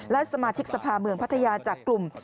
และสมาชิกสภาเมืองพัทยาจากกลุ่ม